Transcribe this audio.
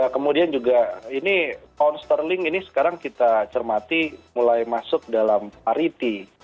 kemudian juga ini count sterling ini sekarang kita cermati mulai masuk dalam pariti